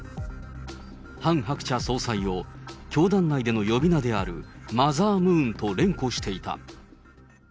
ハン・ハクチャ総裁を教団内での呼び名であるマザームーンと連呼していた。